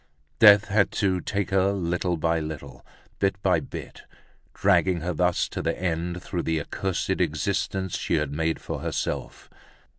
Death had to take her little by little, bit by bit, dragging her thus to the end through the accursed existence she had made for herself.